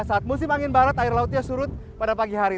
saat musim angin barat air lautnya surut pada pagi hari